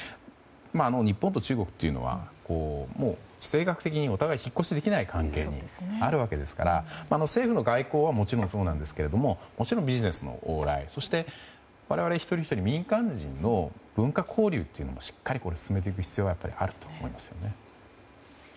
日本と中国というのはもう、地政学的にお互い引っ越しできない関係にあるわけですから政府の外交はもちろんそうですがビジネスの往来そして我々一人ひとり民間人の文化交流をしっかり進めていく必要があると思いますよね。